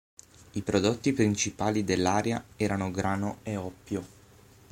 I prodotti principali dell'area erano grano e oppio.